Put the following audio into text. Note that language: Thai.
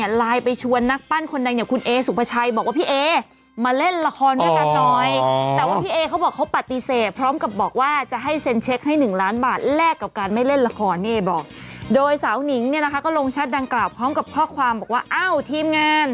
เอมาเล่นละครกับน้อยแต่พี่เอเขาบอกเขาปฏิเสธพร้อมกับบอกว่าจะให้เซ็นเช็คให้๑ล้านบาทแลกกับการไม่เล่นละครเนี่ยบอกโดยสาวนิ้นนี่นะคะก็ลงชัดดังกล่าวพร้อมกับข้อความว่าเอ่อทีมงาน